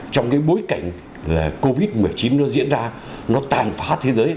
trong cái bối cảnh covid một mươi chín nó diễn ra nó tàn phá thế giới